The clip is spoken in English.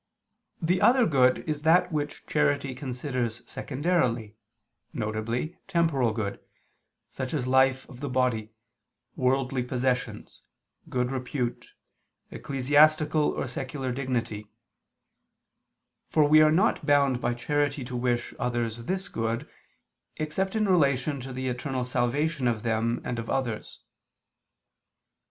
The other good is that which charity considers secondarily, viz. temporal good, such as life of the body, worldly possessions, good repute, ecclesiastical or secular dignity, for we are not bound by charity to wish others this good, except in relation to the eternal salvation of them and of others.